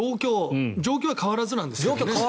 状況は変わらずなんですけどね